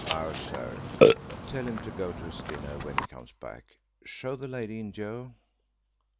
"No, sir." "Tell him to go to his dinner when he comes back. Show the lady in, Joe."